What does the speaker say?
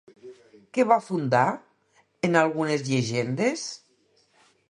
Què va fundar, en algunes llegendes?